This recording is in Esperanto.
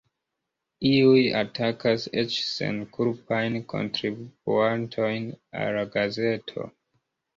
Iuj atakas eĉ senkulpajn kontibuantojn al la gazeto.